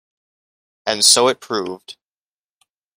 And so it proved.